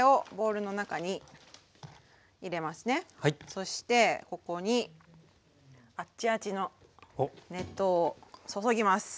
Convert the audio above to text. そしてここにあっちあちの熱湯を注ぎます。